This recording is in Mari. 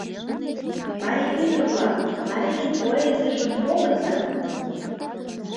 МАРИЙ ӰДЫР-ВЛАК, МАРИЙЫН ПОЭЗИЙЖЫМ ПОГЫЗА!